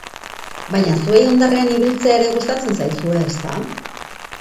Baina zuei hondarrean ibiltzea ere gustatzen zaizue ezta?